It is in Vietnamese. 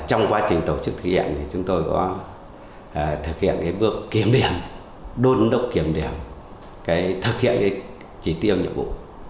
trong quá trình tổ chức thực hiện thì chúng tôi có thực hiện bước kiểm điểm đôn đốc kiểm điểm thực hiện chỉ tiêu nhiệm vụ